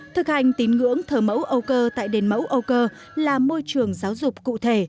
thực hành tín ngưỡng thờ mẫu âu cơ tại đền mẫu âu cơ là môi trường giáo dục cụ thể